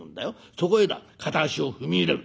そこへだ片足を踏み入れる。